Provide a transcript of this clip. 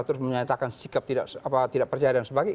terus menyatakan sikap tidak percaya dan sebagainya